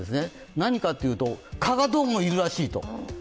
何かというと、蚊がどうもいるらしいと。